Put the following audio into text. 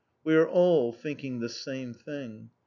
We are all thinking the same thing.